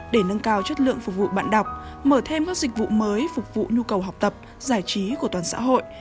để nâng cao chất lượng phục vụ bạn đọc mở thêm các dịch vụ mới phục vụ nhu cầu học tập giải trí của toàn xã hội